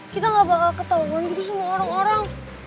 kita gak bakal ketauan gitu sama orang orang